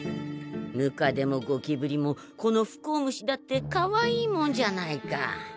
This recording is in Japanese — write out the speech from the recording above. ムカデもゴキブリもこの不幸虫だってかわいいもんじゃないか。